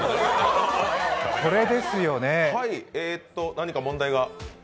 何か問題が？